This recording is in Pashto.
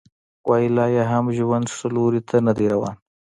وايي لا یې هم ژوند ښه لوري ته نه دی روان